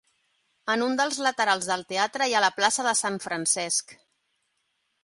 En un dels laterals del teatre hi ha la plaça de Sant Francesc.